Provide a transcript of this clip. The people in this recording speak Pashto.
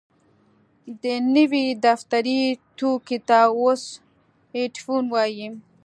دې نوي دفتري توکي ته اوس ايډيفون وايي.